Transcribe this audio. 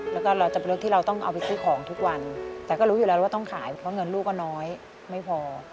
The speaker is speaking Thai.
แล้วก็เราจะเป็นรถที่เราต้องเอาไปซื้อของทุกวันแต่ก็รู้อยู่แล้วว่าต้องขายเพราะเงินลูกก็น้อยไม่พอ